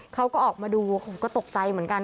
เขาก็ออกมาดูโอ้โหก็ตกใจเหมือนกัน